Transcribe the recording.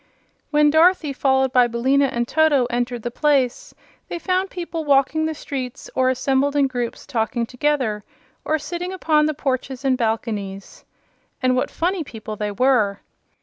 When Dorothy, followed by Billina and Toto, entered the place, they found people walking the streets or assembled in groups talking together, or sitting upon the porches and balconies. And what funny people they were!